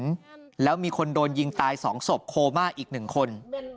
กระสุนแล้วมีคนโดนยิงตาย๒ศพโคลมาอีก๑คน